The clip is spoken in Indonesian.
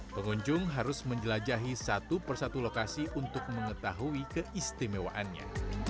pengunjung harus menjelajahi satu persatu lokasi untuk mengetahui keistimewaannya